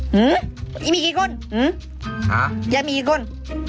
หื้อยังมีกี่คนหื้อยังมีกี่คน